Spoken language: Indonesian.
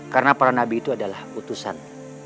karena para nabi itu adalah putusan